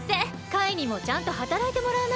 カイにもちゃんとはたらいてもらわないと。